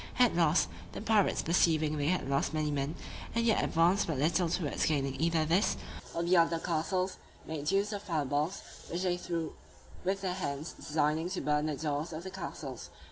At last, the pirates perceiving they had lost many men, and yet advanced but little towards gaining either this, or the other castles, made use of fire balls, which they threw with their hands, designing to burn the doors of the castles.